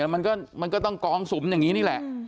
มันก็ต้องกองสุมอย่างนี้นี่แหละ